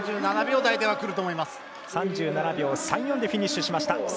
３７秒３４でフィニッシュしました。